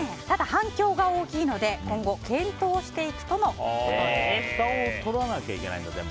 ただ反響が大きいので今後、検討していくとのことです。